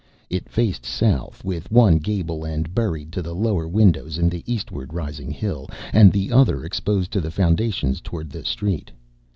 It faced south, with one gable end buried to the lower windows in the eastward rising hill, and the other exposed to the foundations toward the street.